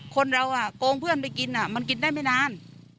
คนเราโกงเพื่อนไปกินมันกินได้ไม่นาน